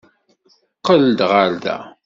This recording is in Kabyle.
Qqel-d ɣer da!